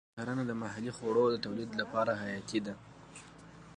کرنه د محلي خوړو د تولید لپاره حیاتي ده.